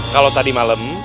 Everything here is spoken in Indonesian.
kalau tadi malam